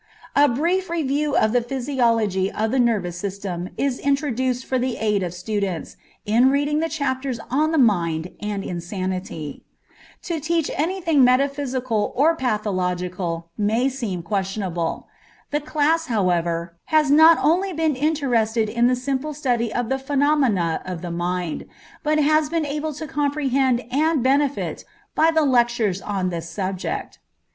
A brief review of the physiology of the nervous system is introduced for the aid of students, in reading the chapters on the mind and insanity. To teach any thing metaphysical or pathological may seem questionable. The class, however, has not only been interested in the simple study of the phenomena of the mind, but has been able to comprehend and profit by the lectures on this subject.